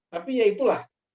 tapi ya itulah